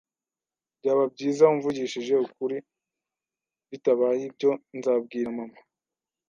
Byaba byiza umvugishije ukuri, bitabaye ibyo nzabwira mama.